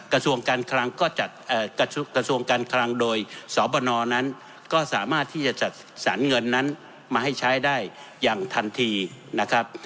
กระทรวงการคลังโดยสนนั้นก็สามารถที่จะสัดสรรเงินนั้นมาให้ใช้ได้อย่างทันทีนะครับ